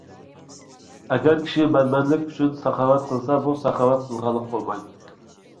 ئەگەر كىشى مەنمەنلىك ئۈچۈن ساخاۋەت قىلسا، بۇ ساخاۋەت قىلغانلىق بولمايدۇ.